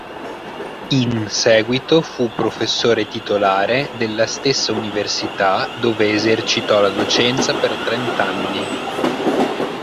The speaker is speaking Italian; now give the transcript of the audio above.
In seguito fu professore titolare della stessa università dove esercitò la docenza per trent'anni.